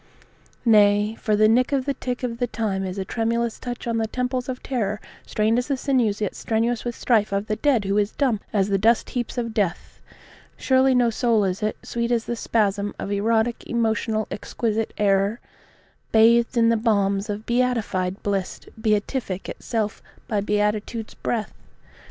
Nay, for the nick of the tick of the time is a tremulous touch on the temples of terror, Strained as the sinews yet strenuous with strife of the dead who is dumb as the dust heaps of death; Surely no soul is it, sweet as the spasm of erotic emotional exquisite error, Bathed in the balms of beatified bliss, beatific itself by beatitude's breath.